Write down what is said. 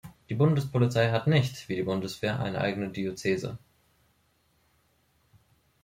Die Bundespolizei hat nicht, wie die Bundeswehr, eine eigene Diözese.